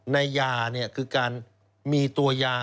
ในยาเนี่ยคือการมีตัวยา